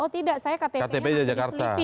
oh tidak saya ktp di jakarta